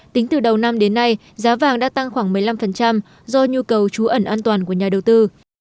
tính từ đầu năm đến nay giá vàng đã tăng khoảng một mươi năm do nhu cầu trú ẩn an toàn của nhà đầu tư